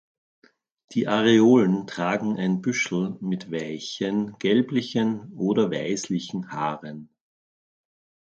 Die Areolen tragen ein Büschel mit weichen, gelblichen oder weißlichen Haaren.